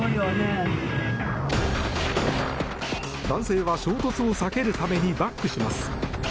男性は衝突を避けるためにバックします。